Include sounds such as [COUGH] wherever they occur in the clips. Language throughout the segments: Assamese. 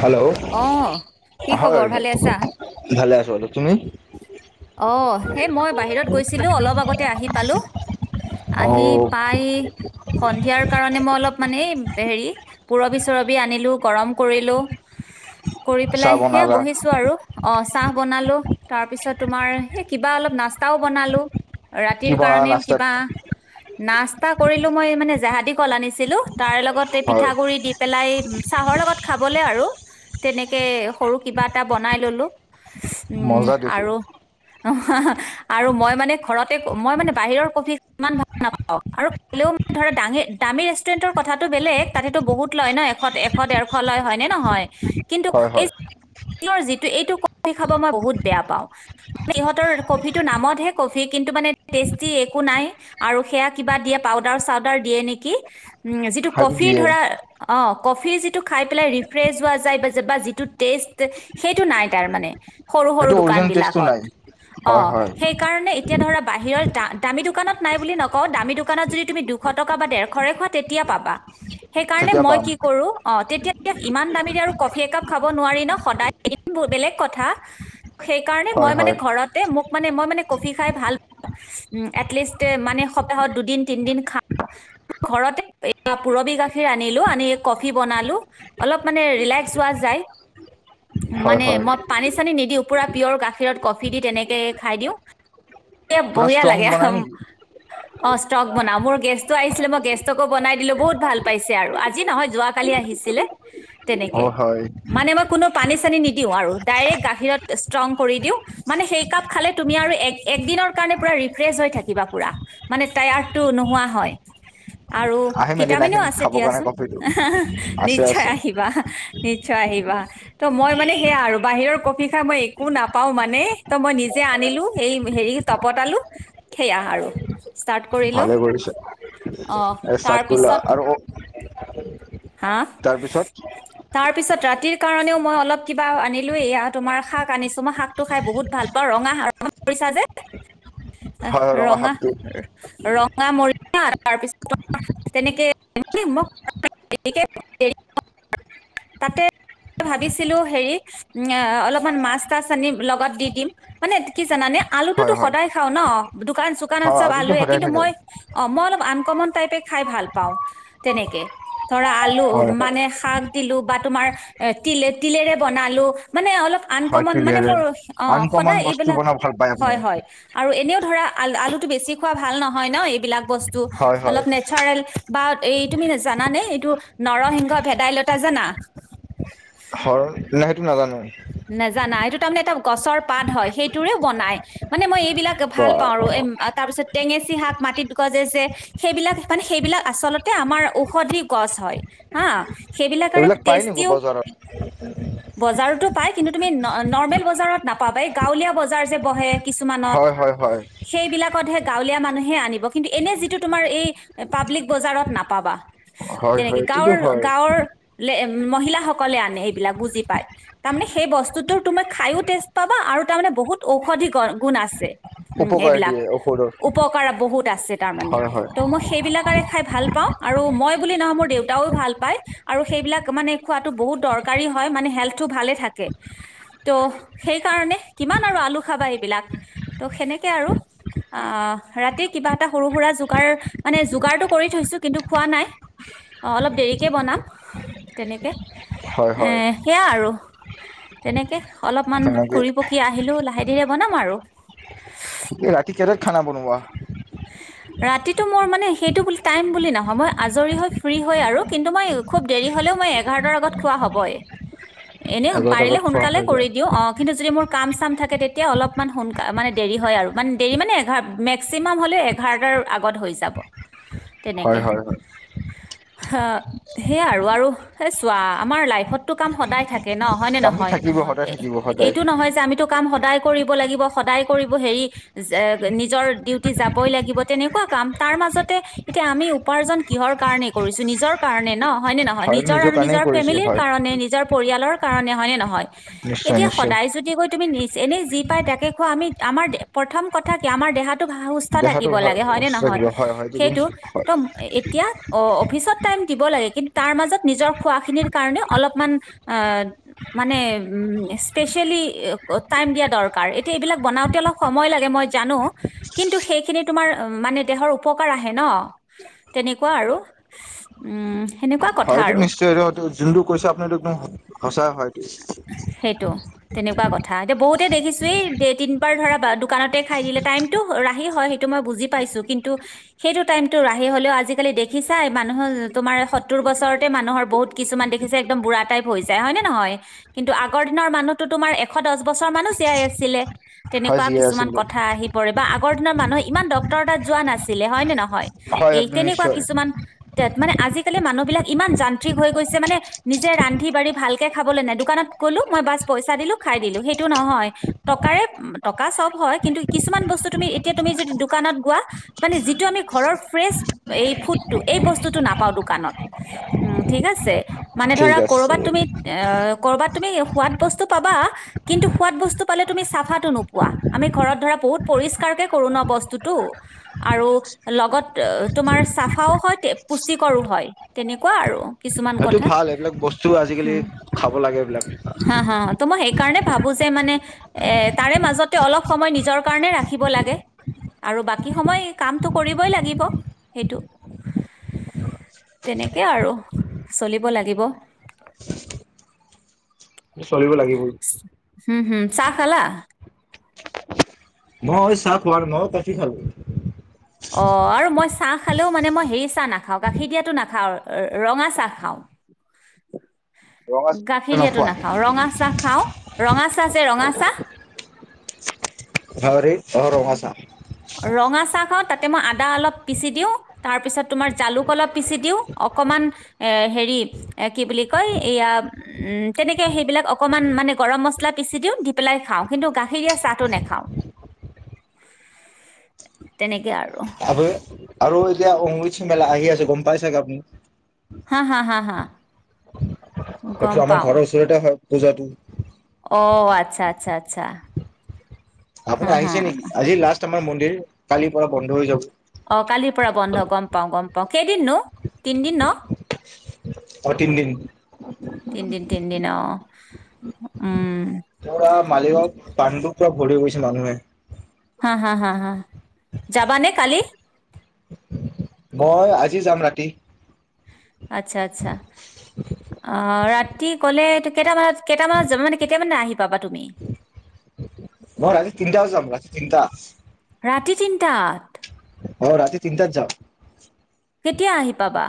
হেল্ল' অঁ কি হয় ভালে আছ। অ' এই মই বাহিৰত গৈছিলো অলপ আগতে আহি পালো অ আহি পাই সন্ধিয়াৰ কাৰণে মই অলপ মানে এই হেৰি পূৰবী চুৰব। বি আনিলো গৰম কৰিলো। কৰি পেলাই চাহ সেয়া বনালা বহিছো আৰু অ' চা। চাহ বনালোঁ। তাৰ পিছত তোমাৰ সেই কিবা অলপ নাস্তাও বনালো। কি ৰাতিৰ বনালা কাৰণে নাস্তাত। কিবা নাস্তা কৰিলো মই মানে জেহাদি কল আনিছিলো। তাৰ লগতে পিঠা হয় গুৰি দি পেলাই চাহৰ লগত। খাবলে আৰু তেনেকে সৰু কিবা এটা বনাই ললো উম আৰু [UNINTELLIGIBLE] আৰু মই মানে ঘৰতে মই মানে বাহিৰৰ কফি ইমান ভাল নাপাওঁ আৰু কলেও মানে ধৰা দামী ৰেষ্টুৰেণ্টৰ কথাটো বেলেগ তাতেতো বহুত লয় ন এশ এশ দেৰশ লয় হয়নে নহয়। কিন্তু হয় এই হয় যিটো এইটো কফি খাব মই বহুত বেয়া পাওঁ ইহঁতৰ কফিটো নামতহে কফি কিন্তু মানে টেষ্টি একো নাই আৰু সেয়া কিবা দিয়ে পাউডাৰ চাউদাৰ দিয়ে নেকি। উম যিটো সেইটো কফি দিয়ে ধৰা অ কফি যিটো খাই পেলাই ৰিফ্ৰেছ হোৱা যায় বা যিটো টেষ্ট সেইটো নাই তাৰ মানে সৰু সৰু সেইটো দোকান অৰিজিনেল টেষ্টটো বিলাকত নাই অ হয় হয় সেইকাৰণে এতিয়া ধৰা বাহিৰৰ দামী দোকানত নাই বুলি নকওঁ দামী দোকানত যদি তুমি দুশ টকা বা ডেৰশৰে খোৱা তেতিয়া পাবা। সেইকাৰণে তেতিয়া মই পাম কি কৰো অ তেতিয়া এতিয়া ইমান দামীৰে আৰু কফি একাপ খাব নোৱাৰি ন সদায় এদিন বেলেগ কথা। সেইকাৰণে হয় মই মানে হয় ঘৰতে মোক মই মানে কফি খাই ভাল এতলিষ্ট মানে সপ্তাহত দু দিন তিন দিন খাওঁ ঘৰত পোৰবি গাখিৰ আনিলো আনি কফি বনালো অলপ মানে ৰিলেক্স হোৱা যায়। হয় মানে হয় মই পানী চানী নিদিও পুৰা পিয়ৰ গাখীৰত কফি দি তেনেকে খাই দিওঁ এ পুৰা বঢ়িয়া ষ্ট্ৰং লাগে বনাই উম নেকি অ ষ্টক বনাও মোৰ গেষ্টটো আহিছিলে মই গেষ্টকো বনাই দিলো বহুত ভাল পাইছে আৰু আজি নহয় যোৱ কালি আহিছিলে অ তেনেকে হয় মানে মই কোনো পানী চানী নিদিও দিওঁ আৰু ডাইৰেক্ট গাখীৰত এতিয়া ষ্ট্ৰং কৰি দিও মানে সেই কাপ খালে তুমি আৰু এক দিনৰ কাৰণে পুৰা ৰিফেৰেচ হৈ থাকিবা পুৰা মানে তায়াৰদ টো নোহোৱা হয়। আৰু আহিম এদিন ভিটামিনো আহিম আছে খাবৰ কাৰণে দিয়াচোন কফিটো আছে নিশ্চয় আছে আহিবা নিশ্চয় আহিবা ত মই মানে সেয়া আৰু বাহিৰৰ কফি মই একো নাপাও মানে ত মই নিজে আনিলো এই হেৰি তপতালো সেয়া আৰু ষ্টাৰ্ট কৰিলো ভালে কৰিছা অ', ষ্টাৰ্ট কৰিলা তাৰপিছত আৰু হা তাৰপিছত তাৰপিছত ৰাতিৰ কাৰণেও মই অলপ কিবা আনিলো ইয়া। তোমাৰ শাক আনিছো মই শাক টো খাই বহুত ভাল পাওঁ ৰঙা ৰঙা কৰিছা যে হয় হয় ৰঙা শাকটো ৰং ম তাৰপিছত তেনেকে তাতে ভাবিছিলো হেৰি [UNINTELLIGIBLE] এ অলপমান মাছ তাছ আনি লগত দি দিম মানে কি জানানে আলুটোতো হয় হয় সদায় খাওঁ ন দোকান চোকানত হয় চব আৰুতো আলুৱে সদায় কিন্তু থাকে মই অ মই অলপ আন অকমান টাইপে খাই ভাল পাওঁ তেনেকে ধৰা হয় হয় আলু-মানে শাক দিলো বা তোমাৰ এ' তিলে- তিলেৰে বনালোঁ মানে অলপ হয় আন্‌কমন মানে ক্লিয়াৰে মোৰ- অ' আনকমন সদায় বস্তু এইবিলাক, বনাই ভাল পায় আপুনি হয় হয়। আৰু এনেও ধৰা, আল-আলুটো বেছি খোৱা ভাল নহয় ন' এইবিলাক বস্তু- হয় তো হয় অলপ নেচাৰেল বা এই তুমি জানানে এইটো নৰসিংহ ভেদাইলতা জানা? হয় নাই সেইটো নাজানো নাজানা! এইটো তাৰমানে এটা গছৰ পাত হয় সেইটোৰে বনাই। মানে মই বিলাক বা ভাল পাওঁ আৰু- এম্‌ তাৰ পিছত টেঙেচী শাক মাটিত গজে যে সেইবিলাক-মানে- সেইবিলাক আচলতে আমাৰ ঔষধি গছ হয়, হা। সেইবিলাকৰে এইবিলাক পায় নেকি টেষ্টিও বজাৰত? বজাৰতো পাই কিন্তু তুমি নৰ্মেল বজাৰত নাপাবা। এই গাঁৱলীয়া বজাৰ যে বহে কিছুমানত- হয় হয় হয় সেইবিলাকতহে গাঁৱলীয়া মানুহে আনিব, কিন্তু এনে যিটো তোমাৰ এই- পাব্লিক বজাৰত নাপাবা। হয় তেনেকে। হয় এইটোতো গাঁৱৰ- হয় গাঁৱৰ উম্‌- মহিলাসকলে আনে, এইবিলাক বুজি পায়। তাৰমানে সেই বস্তুটো তোমাক খায়ো টেষ্ট পাবা আৰু তাৰ মানে বহুত ঔষধি গুণ আছে। উম্‌ উপকাৰ এইবিলাক। দিয়ে ঔষধৰ উপকাৰ বহুত আছে তাৰমানে। হয় হয় তো মই সেইবিলাকেৰে খাই ভাল পাওঁ। আৰু -মই বুলি নহয়, মোৰ দেউতাও ভাল পায়। আৰু সেইবিলাক মানে খোৱাটো বহুত দৰকাৰী হয়। মানে হেল্থ টো ভালে থাকে। ত' সেইকাৰণে কিমান আৰু আলু খাবা এইবিলাক। ত' সেনেকে আৰু। আহ্‌- ৰাতি কিবা এটা সৰু সুৰা যোগাৰ- মানে যোগাৰটো কৰি থৈছোঁ, কিন্তু খোৱা নাই। অলপ দেৰিকে বনাম, তেনেকে হয় হয় এ' সেয়া আৰু। তেনেকে অলপমান তেনেকে ঘুৰি-পকি আহ আহিলো।, লাহে ধীৰে বনাম আৰু। এ' ৰাতি কেটাত খানা বনোৱা? ৰাতিটো মোৰ মানে সেইটো বুলি- টাইম বুলি নহয়, মই আজৰি হৈ ফ্ৰী হৈ আৰু! কিন্তু মই খুব দেৰি হলেও মই এঘাৰটাৰ আগত খোৱা হ'বই। এনেও এঘৰত পাৰিলে আগত খোৱা সোনকালে হৈ কৰি যায় দিওঁ। অ' কিন্তু যদি মোৰ কাম চাম থাকে তেতিয়া অলপমান সোনকা- মানে দেৰি হয় আৰু- মানে দেৰি মানে এঘাৰ-মেস্কিমা মাম্‌ হ'লে এঘাৰটাৰ আগত হৈ যাব। হয় হয় হয়। হ সেয়া আৰু- আৰু সেই চোৱা- আমাৰ লাইফতটো কাম সদায় থাক কে ন হয় নে কামটো নহয়? থাকিব সদায় থাকিব সদায় এইটো নহয় যে আমিতো কাম সদায় কৰিব লাগিব, সদাই কৰিব হেৰি-যে নিজৰ ডিউ তি যাবই লাগিব, তেনেকুৱা কাম। তাৰ মাজতে- এতিয়া আমি উপাৰ্জন কিহৰ কাৰণে কৰিছোঁ, নিজৰ কাৰণে ন! হয়নে নহয়, হয় নিজৰ আৰু কাৰণেই নিজৰ কৰিছো ফেমিলিৰ হয় কাৰণে নিজৰ পৰিয়ালৰ কাৰণে হয়নে নহয় নিশ্চয় এতিয়া নিশ্চয় সদায় যদি কৈ তুমি নিজ এনেই যি পায় তাকে খোৱা আমি আমাৰ দে প্ৰথম কথা কি আমাৰ দেহাত সুস্থ দেহাটো থাকিব ভাল লাগে হয়নে সুস্থ নহয় থাকিব হয় হয় এইটো সেইটো ত হয় এতিয়া অ অফিচত টাইম দিব লাগে কিন্তু তাৰ মাজত নিজৰ খোৱাখিনিৰ কাৰণে অলপমান মানে স্পেচিয়েলি টাইম দিয়া দৰকাৰ এতিয়া এইবিলাক বনাওতে অলপ সময় লাগে মই জানো কিন্তু সেইখিনি তোমাৰ মানে দেহৰ উপকাৰ আহে ন তেনেকুৱা আৰু সেনেকুৱা কথা হয়টো আৰু নিশ্চয় জোনটো কৈছে আপুনি একদম সঁচা হয়। সেইটো তেনেকুৱা কথা এতিয়া বহুতে দেখিছো এই তিন বাৰ ধৰা দোকানতে খাই দিলে টাইম সেইটো ৰাহি হয় সেইটো মই বুজি পাইছো কিন্তু সেইটো টাইমতো ৰাহি হলেও আজিকালি দেখিছাই মানুহৰ তোমাৰ সত্তৰ বছৰতে মানুহৰ বহুত কিছুমান দেখিছাই একদম বুঢ়া টাইপ হৈ যায় হয় নে নহয় কিন্তু আগৰ দিনৰ মানুহো তোমাৰ এশ দহ বছৰ মানুহ জীয়াই আছিলে। হয়, তেনেকুৱা জীয়াই কিছুমান আছিলে কথা আহি পৰে বা আগৰ দিনৰ মানুহ ইমান ডক্তৰ তাত যোৱা নাছিলে হয় নে ন হয় এই একদম তেনেকুৱা নিশ্চয় কিছুমান মানে আজিকালি মানুহ বিলাক ইমান যান্ত্ৰিক হৈ গৈছে মানে নিজে ৰান্ধি বাঢ়ি ভালকে খাবলৈ নাই দোকানত গলো মই বাছ পইচা দিলো খাই দিলো সেইটো নহয় টকাৰে টকা চব হয়। কিন্তু কিছুমান বস্তু তুমি এতিয়া তুমি যদি দোকানত গোৱা মানে যিটো আমি ঘৰৰ ফ্ৰেচ এই ফুডটো এই বস্তুটো নাপাও দোকানত ঠিক আছে। মানে ঠিক ধৰা আছে কৰবাত তুমি অ কৰবাত তুমি সোৱাদ বস্তু পাবা কিন্তু সোৱাদ বস্তু পালে তুমি চাফাটো নোপোৱা আমি ঘৰত ধৰা বহুত পৰিষ্কাৰকে কৰো ন বস্তুতটো আৰু লগত তোমাৰ চাফাও হয়, পুষ্টিকৰো হয় তেনেকুৱা আৰু কিছুমান এইটো কথা ভাল এইবিলাক বস্তু আজিকালি খাব লাগে এইবিলাক কাৰণে ভাবো যে মানে এ তাৰে মাজতে অলপ সময় নিজৰ কাৰণে ৰাখিব লাগে আৰু বাকী সময় কামটো কৰিবই লাগিব সেইটো তেনেকে আৰু চলিব লাগিব। চলিব লাগিবই উম হম চাহ খালা মই চাহ খোৱাৰ ন কফি খালো অ আৰু মই চাহ খালেও মানে মই হে চাহ নাখাওঁ গাখীৰ দিয়াতো নাখাওঁ, ৰঙা চাহ খাওঁ। ৰঙা চাহ গাখীৰ দিয়াটো নোখোৱাই না খাওঁ ৰঙা চাহ খাওঁ ৰঙা চাহ যে ৰঙা চাহ হ [UNINTELLIGIBLE] অ ৰঙা চাহ ৰঙা চাহ খাওঁ তাতে মই আদা অলপ পিচি দিওঁ তাৰ পিছত তোমাৰ জালুক অলপ পিচি দিওঁ অকনমান এ হেৰি কি বুলি কয় এয়া উ তেনেকে সেইবিলাক অকমান মানে গৰম মছলা পিচি দিওঁ দি পেলাই খাওঁ। কিন্তু গাখৰীয়া চাহটো নেখাওঁ তেনেকে আৰু আৰু এতিয়া অম্বুবাচী মেলা আহি আছে গম পাই চাগে আপুনি হা হা হা হা গম এটো আমাৰ পাওঁ ঘৰৰ ওচৰতে হয় পূজাটো অ আচ্ছা আচ্ছা আচ্ছা আপুনি হা হা আহিছে নেকি আজি লাষ্ট। আমাৰ মন্দিৰ কালিৰ পৰা বন্ধ হৈ যাব। অ কালিৰ পৰা বন্ধ গম পাওঁ গম পাওঁ কেইদিননো তিনদিন ন অ তিন দিন তিনদিন তিনদিন অ উম পৰা মালিগাঁও পাণ্ডু চব ঘূৰি গৈছে মানুহে। হা হা হা যাবা নে কালি? মই আজি যাম ৰাতি। আটচ্ছা আটচ্ছা আহ ৰাতি কলে কেইটাবাজ কেইটামানত যাবা নেকি কেইটামানে আহি পাবা তুমি? মই ৰাতি তিনটাত যাম ৰাতি তিনটাত। ৰাতি তিনটাত অ ৰাতি তিনটাত যাম। কেতিয়া আহি পাবা?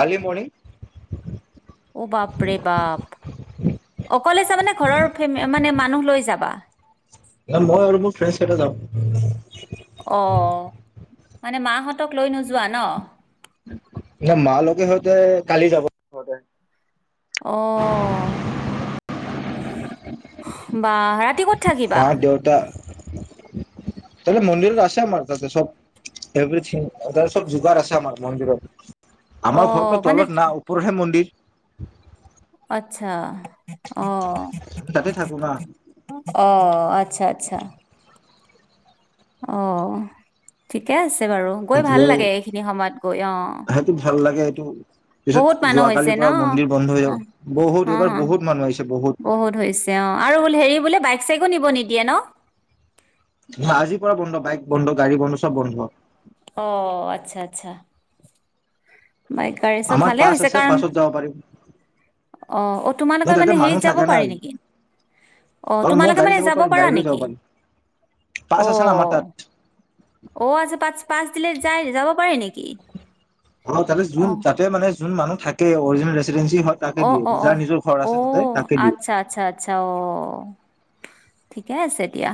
Early morning. অ বাপ ৰে বাপ অকলে যাবা নে ঘৰৰ ফেমে মানে মানুহ লৈ যাবা। মই আৰু মোৰ ফ্ৰেইছ কেতা যাম। অ। মানে মা হতক লৈ নোযোৱা ন। ন মা লগে সতে কালি যাব সহতে। অহ বা ৰাতি কত থাকিবা? মা দেউতা তাতে মন্দিৰত আছে আমাৰ তাতে চব এভৰিথিং ততে চব যোগাৰ আছে আমাৰ মন্দিৰত। আমাৰ অ' ঘৰটোৰ মানে তলত ন উপওপৰহে মন্দিৰ [UNINTELLIGIBLE] আতচ্ছা অহ তাতে থাকো না অহ আতচ্ছা আতচ্ছা অ ঠিকে আছে। তে বাৰু গৈ ভাল সেইটোৱে লাগে এইখিনি সময়ত গৈ অ। তু বহুত মানুহ হৈছে ন হৈ অ যাব বহুত অ এইবাৰ বহুত মানুহ আহিছে বহুত হৈছে অ আৰু বোলে হেৰি বোলে বাই। চেগু নিব নিদিয়ে ন। ন আজিৰ পৰা বন্ধ বাইক বন্ধ গাড়ী বন্ধ চব বন্ধ। অ আতচ্ছা আতচ্ছা। বাইক গাড়ী চব আমাৰ ভালে পাছ হৈছে আছে কাৰণ পাছত যাব পাৰিম অ অ ন তোমালোকে তাতে মানে হেৰিত মানুহ যাব থাকে না পাৰি নেকি অ মই তোমালোকে গাড়ী মানে যাব পাৰিম পাৰা গাড়ী লৈ যাব নেকি? পাৰিম পাছ অ! আছে না আমাৰ তাত অ আছে, পচ পাঁচ দিলে যায় যাব পাৰি নেকি? অ তাতে যোন তাতে মানে যোন মানুহ থাকে অৰজিনেল অ অ অ অ তাতে তাকে দিয়ে আতচ্ছা আতচ্ছা আতচ্ছা অ ঠিকে আছে দিয়া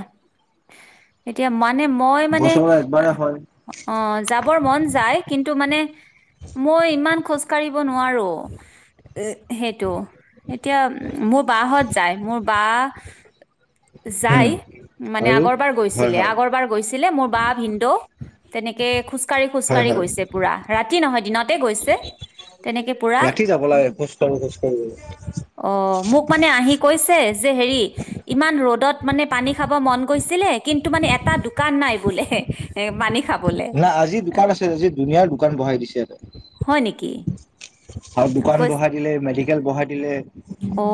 এতিয়া মাত মানে মই মানে বছৰৰ একবাৰে হয় অহ যাবৰ মন যায় কিন্তু মানে, মই ইমান খোজ কঢ়িব নোৱাৰ এ সেইটো এতিয়া মোৰ বা হত যায় মোৰ বা যাই উম মানে আৰু আগৰবাৰ হয় গৈছিলে, হয় আগৰবাৰ গৈছিলে মোৰ বা ভিনদেউ তেনেকে খোজ খোজ কাঢ়ি হয় খোজকাঢ়ি হয় গৈছে পোৰা, ৰাতি নহয় দিনতে গৈছে তেনেকে পোৰা ৰাতি যাব লাগে খোজ কাঢ়ো খোজ কাঢ়ো অ মোক মানে আহি কৈছে যে হেৰি ৰ'দত মানে পানী খাব মন গৈচিলে কিন্তু মানে এটা দোকান নাই বোলে পানী খাব না আজি দোকান আছে আজি দুনীয়াৰ দোকান বঢ়াই দিছে। ইয়াতে হয় নেকি? আৰু দোকান কৈছে বঢ়াই দিলে মেডিকেল বঢ়াই দিলে। অ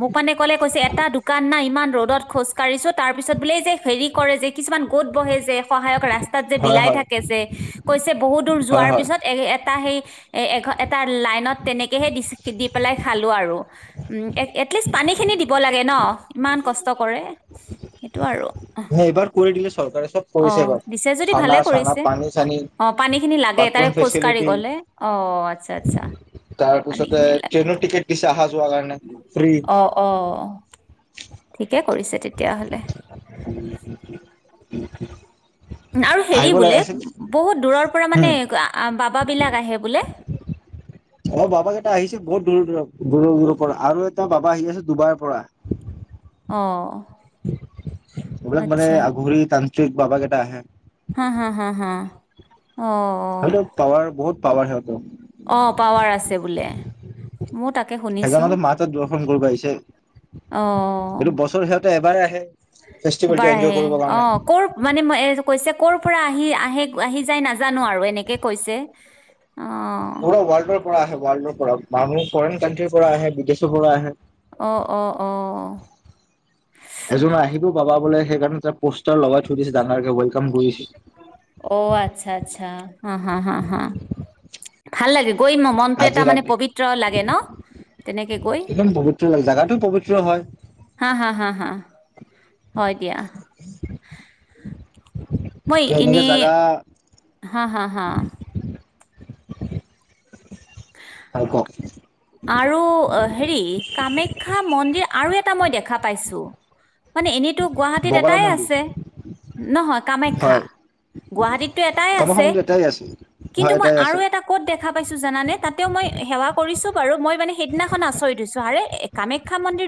মোক মানে ক'লে কৈছে এটা দোকান নাই ইমান ৰ'দত খোজ কাঢ়িছো তাৰ পিছত বোলে যে হেৰি কৰে যে কিছুমান গোট বহেযে সহায়ক ৰাস্তাত যে হয় বিলাই হয় থাকেযে কৈছে বহুত দূৰ হয় যোৱাৰ হয় পিছত এ এটা সেই এ এঘ এটা লাইনত তেনেকে কেহে দিচ দি পেলাই খালো আৰু উ এট এটলিষ্ট পানী খিনি দিব লাগে ন ইমান কষ্ট কৰে সেইটো আৰু। হে এইবাৰ কৰি দিলে চৰকাৰে চব। অ কৰিছে এইবাৰ দিছে যদি খানা ভালে চানা কৰিছে পানী চানী অ পানী খিনি লাগে তাৰে বাথৰুম খোজকাঢ়ি ফেচিলিটি গলে অ', আচ্ছা', আচ্ছা তাৰ পিছতে পানীখিনি লাগে ট্ৰেইনৰ টিকেট দিছে অহা যোৱাৰ কাৰণে ফ্ৰী অ', অ। ঠিকে। তেতিয়া হ'লে। আৰু হেৰি আহিব বোলে লাগে আছিল বহুত দূৰৰ পৰা উম মানে বাবা বিলাক আহে বোলে। গৰুবোৰৰ পৰা আৰু এটা বাবা আহি আছে ডুবাইৰ পৰা। অহ। এইবিলাক মানে আগৰে টান। ঠিক বাবা কেইটা আহে। হা', হা', হা', হা। অ হয়টো পাৱাৰ বহুত পাৱাৰহত। অহ পাৱাৰ আছে বোলে, মইও তাকে শুনিছো, সেইকাৰণে মাহত দৰ্শন কৰিব আহিছে অহ। এইটো বছৰ সিহঁতে এবাৰ আহে ফেষ্টিভেলটো এবাৰ এনজয় আহে কৰিবৰ কাৰণে অহ', ক'ৰ মানে এই যে কৈছে ক'ৰ পৰা আহ আহি আহে আহি যাই নাজানো আৰু এনেকে কৈছে। অ পোৰা ৰৱৰ্ল্ডৰ। পৰা আহে ৱৰ্ল্ডৰ পৰা আহে, মানুহ ফৰেইন কাণ্ট্ৰিৰ পৰা আহে, বিদেশৰ পৰা আহে, অ', অ', অ'। এজন আহিব বাবা বোলে সেইকাৰণে ত পোষ্টাৰ লগাই থৈ দিছে ডাঙাৰকে ৱেলকাম কৰিছে, অ', আচ্ছা আচ্ছা। হা হা হা হা ভাল লাগে। কৰি মন মনটো এটা আজি মানে ৰাতি প্ৰবিত্ৰ লাগে ন, তেনেকে গৈ একদম পবিত্ৰ লাগে জাগাটো পবিত্ৰ হয় হা হা হা হা হয় দিয়া। মই ত এনেকে এনে, জাগা হা হা। হা হয় কওক আৰু হেৰি কামাখ্যা মন্দিৰ আৰু এটা মই দেখা দেখা পাইছো মানে এনে গুৱাহাটীত বগলা এটাই মন্দিৰ আছে নহয় হয় কামাখ্যা গুৱাহাটীতটো এটাই আছে কৰ্মসংস্থাপনটো এটাই আছে কিন্তু হয় মই এটাই আৰু আছে এটা ক'ত দেখা পাইছো জানানে তাতেও মই সেৱা কৰিছো মই মানে সেইদিনাখন আচৰিত হৈছো আৰে কামাখ্যা মন্দিৰ